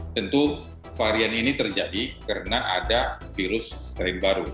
tentu varian ini terjadi karena ada virus strain baru